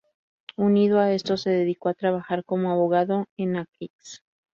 Unido a esto se dedicó a trabajar como abogado en Aix.